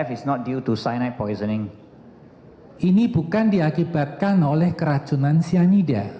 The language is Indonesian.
ini bukan diakibatkan oleh keracunan cyanida